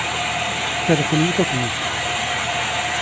Kerfen yifassen-is.